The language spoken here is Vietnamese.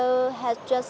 đã tham gia